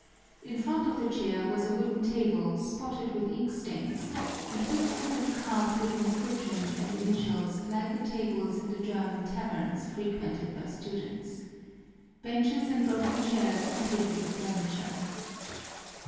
In front of the chair was a wooden table spotted with ink stains and whittled and carved with inscriptions and initials like the tables in the German taverns frequented by students. Benches and broken chairs completed the furniture.